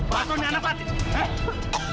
kakeknya anak patik